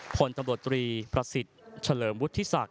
ผลตำรวจธรีพระศิษฐ์เชลมพุทธศักดิ์